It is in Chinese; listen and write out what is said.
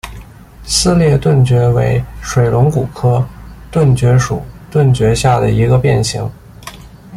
撕裂盾蕨为水龙骨科盾蕨属盾蕨下的一个变型。